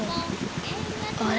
あれ？